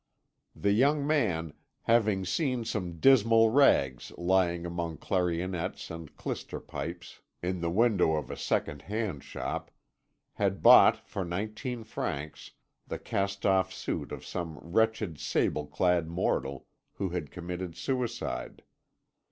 The young man, having seen some dismal rags lying among clarionettes and clyster pipes in the window of a second hand shop, had bought for nineteen francs the cast off suit of some wretched sable clad mortal who had committed suicide.